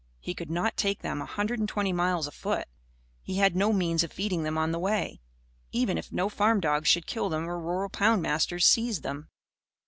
He could not take them a hundred and twenty miles, afoot. He had no means of feeding them on the way, even if no farm dogs should kill them or rural poundmasters seize them.